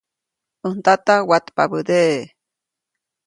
ʼÄj ndata watpabädeʼe.